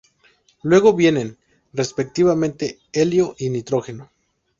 Luego vienen, respectivamente, helio y nitrógeno.